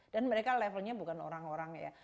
dan mereka levelnya bukan orang orang ya